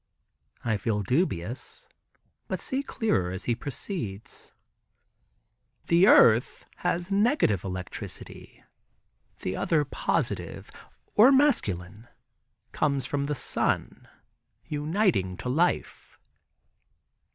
I feel dubious, but see clearer as he proceeds. "The earth has negative electricity, the other positive, or masculine, comes from the sun, uniting to life."